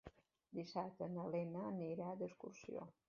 Dissabte na Lena anirà d'excursió.